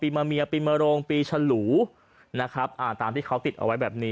มาเมียปีมโรงปีฉลูนะครับอ่าตามที่เขาติดเอาไว้แบบนี้